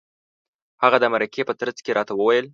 هغه د مرکې په ترڅ کې راته وویل.